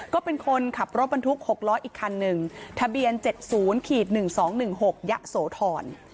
ก็เป็นคนขับรถบรรทุก๖ล้ออีกคันหนึ่งทะเบียน๗๐๑๒๑๖ยะโสธร